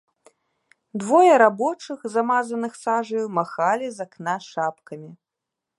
Двое рабочых, замазаных сажаю, махалі з акна шапкамі.